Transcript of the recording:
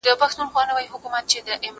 زه اوس سړو ته خواړه ورکوم.